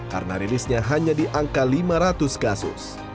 karena rilisnya hanya di angka lima ratus kasus